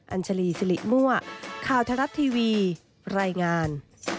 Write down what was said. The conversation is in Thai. อัญชลีสิริมั่วข่าวทรัฐทีวีรายงาน